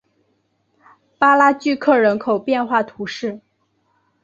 巴拉聚克人口变化图示